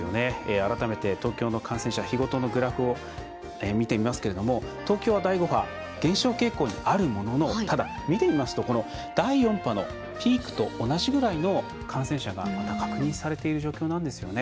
改めて東京の感染者日ごとのグラフを見てみますけれども東京は第５波減少傾向にあるもののただ、見てみますとこの第４波のピークと同じくらいの感染者がまだ確認されている状況なんですよね。